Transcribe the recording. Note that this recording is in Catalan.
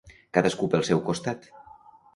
Cadascú pel seu costat.